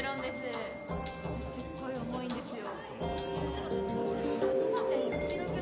すっごい重いんですよ。